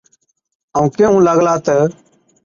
ائُون ڪيھُون لاگلا تہ